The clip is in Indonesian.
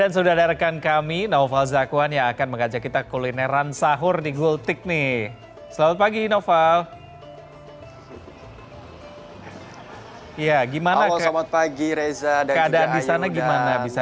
semoga anda pada sahur ya